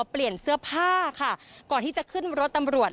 เปลี่ยนเสื้อผ้าค่ะก่อนที่จะขึ้นรถตำรวจ